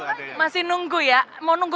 ada ya masih nunggu ya mau nunggu